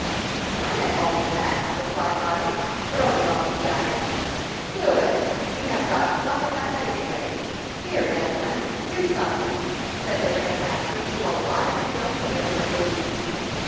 "I'm at home in that," replied Noddy, throwing off his jacket. "Good! You have got pluck enough, at any rate. Here, Nesmond, do something," said the ring master to a wiry young man of the group.